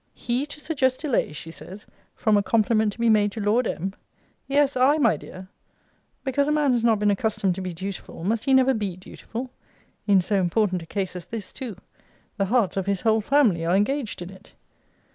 'He to suggest delays,' she says, 'from a compliment to be made to Lord M.!' Yes, I, my dear. Because a man has not been accustomed to be dutiful, must he never be dutiful? In so important a case as this too! the hearts of his whole family are engaged in it!